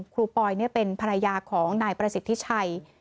ครูปอยเป็นภรรยาของนายประสิทธิชัย